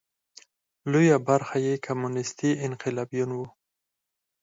لویه برخه یې کمونېستي انقلابیون وو.